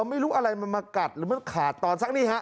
ไม่รู้อะไรมันมากัดหรือมันขาดตอนสักนี่ฮะ